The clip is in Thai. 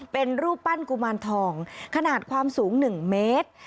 เป็นรูปปั้นกุมารทองขนาดความสูง๑เมตร